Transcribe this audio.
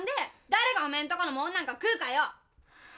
誰がお前んとこのもんなんか食うかよ！